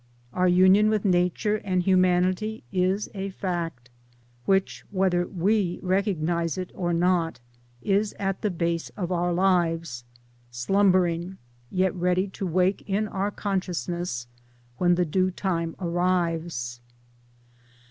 Our union with Nature and humanity is a fact, which whether we recognize it or not is at the base of our lives ; slumbering 1 , yet ready to wake in our consciousness when the due time arrives.